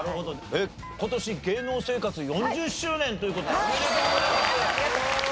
えっ今年芸能生活４０周年という事でおめでとうございます！